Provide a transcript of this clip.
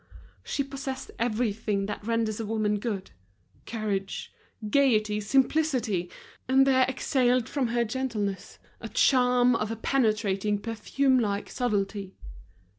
She possessed everything that renders a woman good—courage, gaiety, simplicity; and there exhaled from her gentleness, a charm of a penetrating, perfume like subtlety.